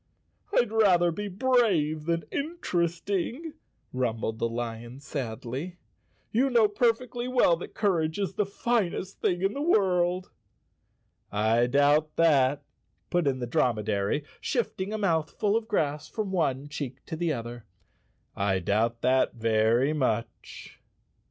" I'd rather be brave than interesting," rumbled the lion sadly. ' You know perfectly well that courage is the finest thing in the world." "I doubt that," put in the dromedary, shifting a mouthful of grass from one cheek to the other, "I doubt that very much."